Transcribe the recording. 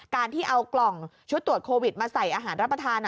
การที่เอากล่องชุดตรวจโควิดมาใส่อาหารรับประทาน